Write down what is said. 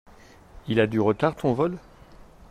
Il a du retard ton vol?